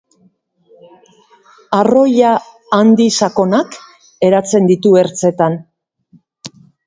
Arroila handi sakonak eratzen ditu ertzetan.